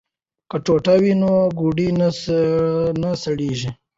که ټوټه وي نو ګوډی نه سړیږي.